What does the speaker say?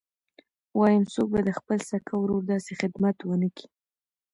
وايم څوک به د خپل سکه ورور داسې خدمت ونه کي.